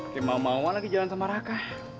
kayak mau mauan lagi jalan sama raka